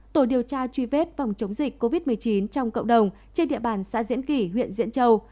tổ điều tra truy vết phòng chống dịch covid một mươi chín trong cộng đồng trên địa bàn xã diễn kỷ huyện diễn châu